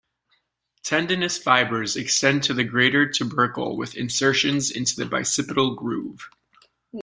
Tendinous fibers extend to the greater tubercle with insertions into the bicipital groove.